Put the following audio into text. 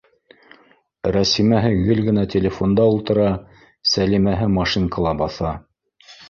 Рәсимәһе гел генә телефонда ултыра, Сәлимәһе машинкала баҫа